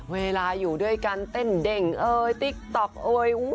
เวลาอยู่ด้วยกันเต้นเด้งเอ่ยติ๊กต๊อกเอ้ย